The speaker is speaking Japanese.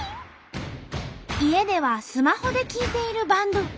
家ではスマホで聴いているバンド。